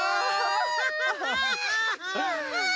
ハハハハハ。